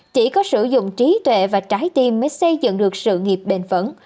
chỉ có sử dụng trí tuệ và trái tim mới xây dựng được sự nghiệp bền vững